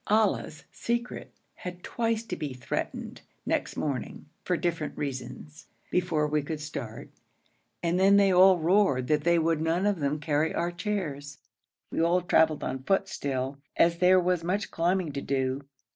Ali's secret had twice to be threatened, next morning, for different reasons before we could start, and then they all roared that they would none of them carry our chairs. We all travelled on foot still, as there was much climbing to do.